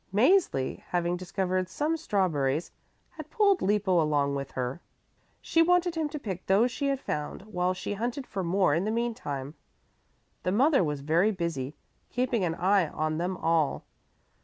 Mäzli, having discovered some strawberries, had pulled Lippo along with her. She wanted him to pick those she had found while she hunted for more in the meantime. The mother was very busy keeping an eye on them all.